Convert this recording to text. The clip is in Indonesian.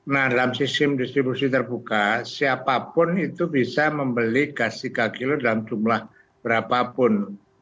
nah dalam sistem distribusi terbuka siapapun itu bisa membeli gas tiga kg dalam jumlah berapapun